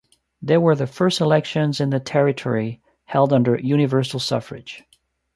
They were the first elections in the territory held under universal suffrage.